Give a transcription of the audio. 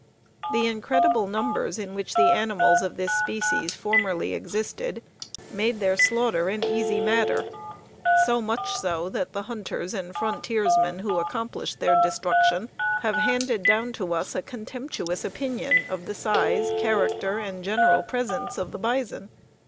The incredible numbers in which the animals of this species formerly existed made their slaughter an easy matter, so much so that the hunters and frontiersmen who accomplished their destruction have handed down to us a contemptuous opinion of the size, character, and general presence of our bison.